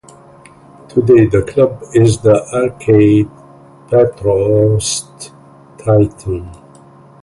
Today the club is the Acadie-Bathurst Titan.